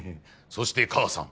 そして母さん。